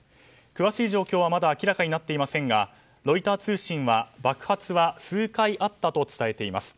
詳しい状況はまだ明らかになっていませんがロイター通信は爆発は数回あったと伝えています。